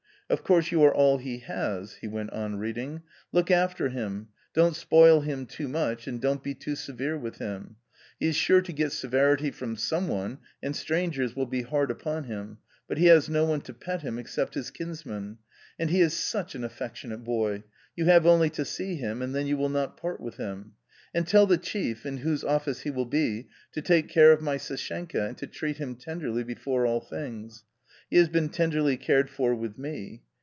u Of course you are all he has [he went on reading]. Look after him, don't spoil him too much, and don't be too severe with him; he is sure to get severity from some one, and strangers will be hard upon him, but he has no one to pet him, except his kinsman; and he is such an affectionate boy : you have only to see him and then you will not part with him. And tell the chief, in whose office he will be, to take care of my Sashenka and to treat him tenderly before all things ; he has been tenderly cared for with me.